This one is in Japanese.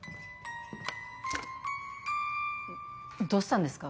どうしたんですか？